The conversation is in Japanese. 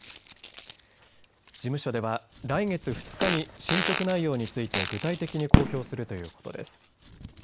事務所では、来月２日に進捗内容について具体的に公表するということです。